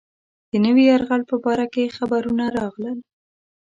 د نوي یرغل په باره کې خبرونه راغلل.